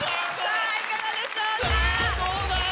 さぁいかがでしょうか？